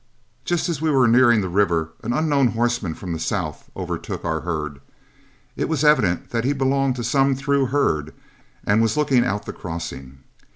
Just as we were nearing the river, an unknown horseman from the south overtook our herd. It was evident that he belonged to some through herd and was looking out the crossing.